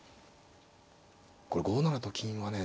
これ５七と金はね